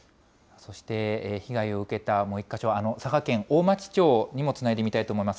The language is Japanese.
そして被害を受けたもう１か所、佐賀県大町町にもつないでみたいと思います。